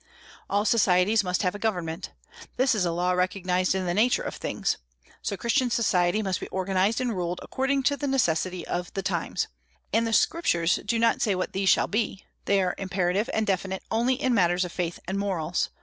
All societies must have a government. This is a law recognized in the nature of things. So Christian society must be organized and ruled according to the necessities of the times; and the Scriptures do not say what these shall be, they are imperative and definite only in matters of faith and morals.